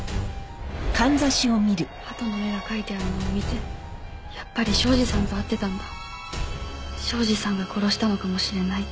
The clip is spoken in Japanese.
鳩の目が描いてあるのを見てやっぱり庄司さんと会ってたんだ庄司さんが殺したのかもしれないって。